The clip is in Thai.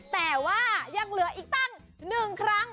แต่ว่ายังเหลืออีกตั้ง๑ครั้ง